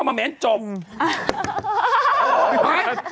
มันเข้าบลงกลิ่นจบ